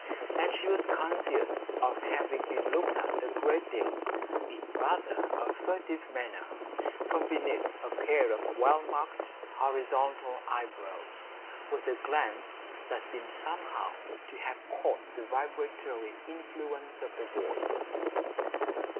And she was conscious of having been looked at a great deal, in rather a furtive manner, from beneath a pair of well marked horizontal eyebrows, with a glance that seemed somehow to have caught the vibratory influence of the voice.